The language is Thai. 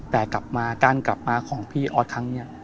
แต่กลับมาการกลับมาของพี่ออสครั้งนี้